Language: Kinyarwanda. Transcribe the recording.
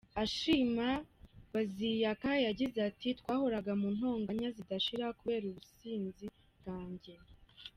Ashima, Baziyaka yagize ati:"Twahoraga mu ntonganya zidashira kubera ubusinzi bwanjye.